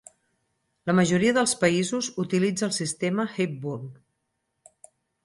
La majoria dels països utilitza el sistema Hepburn.